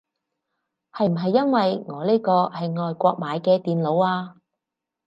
係唔係因為我呢個係外國買嘅電腦啊